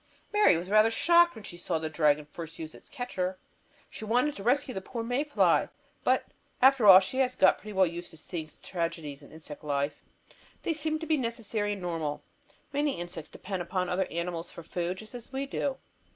Mary was rather shocked when she saw the dragon first use its "catcher." She wanted to rescue the poor May fly. But after all she has got pretty well used to seeing tragedies in insect life. They seem to be necessary and normal. Many insects depend upon other animals for food, just as we do.